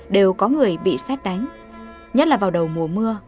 đều có người bị xét đánh nhất là vào đầu mùa mưa